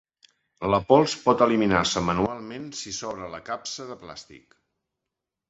La pols pot eliminar-se manualment si s"obre la capsa de plàstic.